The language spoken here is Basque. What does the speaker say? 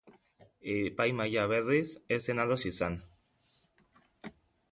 Epaimahaia, berriz, ez zen ados izan.